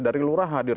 dari lurah hadir